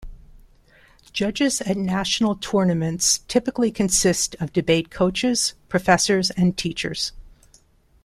Judges at National Tournaments typically consist of debate coaches, professors, and teachers.